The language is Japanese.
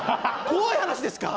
怖い話ですか？